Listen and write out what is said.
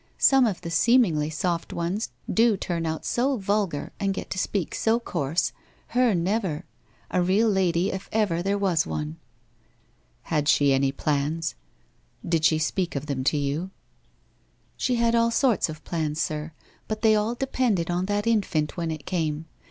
Some of the seem ing soft ones do turn out so vulgar and get to speak so course. Her never. A real lady if ever there was one.' WHITE ROSE OF WEARY LEAF 42$ Had she any plans? Did she speak of them to vou ':' 1 She had all sorts of plans, sir, but they all depended on that infant when it came.